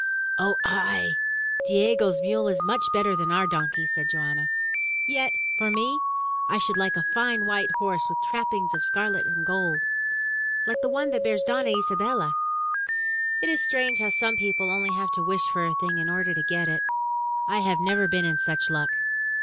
"O aye! Diego's mule is better than our donkey," said Joanna. "Yet, for me, I should Uke a fine white horse with trappings of scarlet and gold, like the one that bears Donna Isa bella. It is strange how some people have only to wish for a thing in order to get it. I have never been in such luck.